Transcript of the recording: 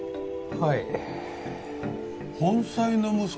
はい。